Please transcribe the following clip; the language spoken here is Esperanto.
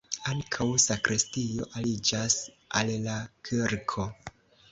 Ankaŭ sakristio aliĝas al la kirko.